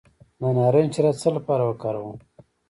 د نارنج شیره د څه لپاره وکاروم؟